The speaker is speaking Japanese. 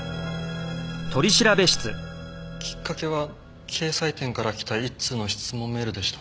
きっかけは掲載店から来た１通の質問メールでした。